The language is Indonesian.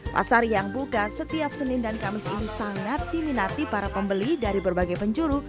pasar yang buka setiap senin dan kamis ini sangat diminati para pembeli dari berbagai penjuru